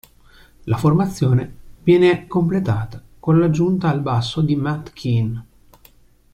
La formazione viene completata con l'aggiunta al basso di Matt Kean.